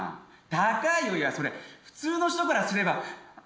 いやそれ普通の人からすれば。